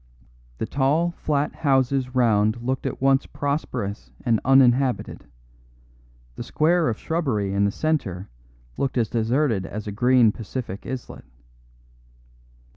The tall, flat houses round looked at once prosperous and uninhabited; the square of shrubbery in the centre looked as deserted as a green Pacific islet.